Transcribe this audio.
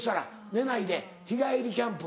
寝ないで日帰りキャンプ。